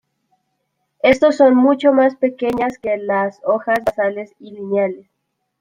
Estos son mucho más pequeñas que las hojas basales y lineales.